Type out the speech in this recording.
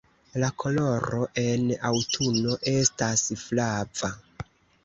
La koloro en aŭtuno estas flava.